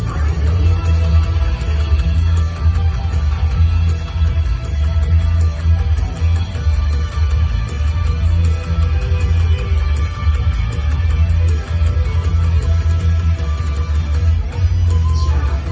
มันเป็นเมื่อไหร่แล้ว